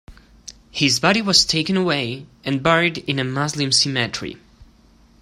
His body was taken away and buried in a Muslim cemetery.